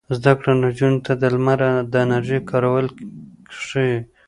زده کړه نجونو ته د لمر د انرژۍ کارول ښيي.